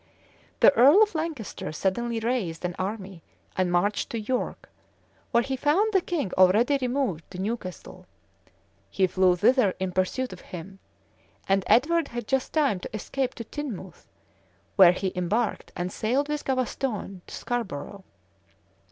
The earl of Lancaster suddenly raised an army, and marched to York, where he found the king already removed to Newcastle:[] he flew thither in pursuit of him, and Edward had just time to escape to Tinmouth, where he embarked, and sailed with Gavaston to Scarborough.